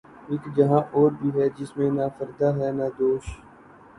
اک جہاں اور بھی ہے جس میں نہ فردا ہے نہ دوش